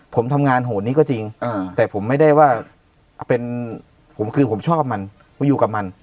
ผมทำงานโหดนี้ก็จริงแต่ผมไม่ได้ว่าเป็นผมคือผมชอบมันไปอยู่กับมัน